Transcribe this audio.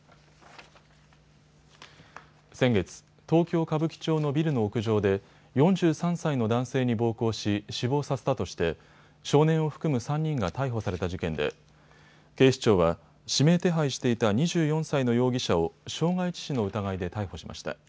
先月、東京歌舞伎町のビルの屋上で４３歳の男性に暴行し死亡させたとして少年を含む３人が逮捕された事件で警視庁は指名手配していた２４歳の容疑者を傷害致死の疑いで逮捕しました。